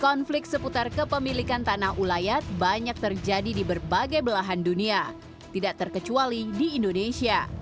konflik seputar kepemilikan tanah ulayat banyak terjadi di berbagai belahan dunia tidak terkecuali di indonesia